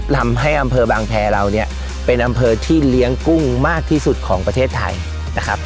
ทำให้อำเภอบางแพรเราเนี่ยเป็นอำเภอที่เลี้ยงกุ้งมากที่สุดของประเทศไทยนะครับ